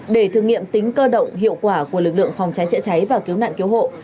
để thử nghiệm tính cơ động hiệu quả của lực lượng phòng cháy chữa cháy và cứu nạn cứu hộ